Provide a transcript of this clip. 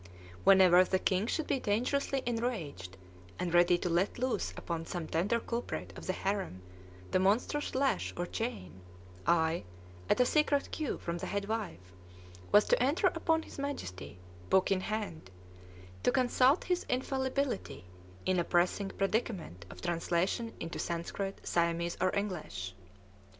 Whenever the king should be dangerously enraged, and ready to let loose upon some tender culprit of the harem the monstrous lash or chain, I at a secret cue from the head wife was to enter upon his Majesty, book in hand, to consult his infallibility in a pressing predicament of translation into Sanskrit, Siamese, or English.